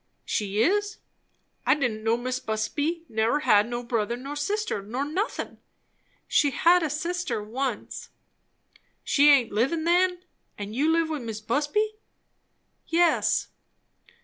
"She is! I didn't know Mis' Busby never had no brother, nor sister', nor nothin'." "She had a sister once." "She aint livin' then. And you live with Mis' Busby?" "Yes."